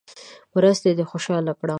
مرستې دې خوشاله کړم.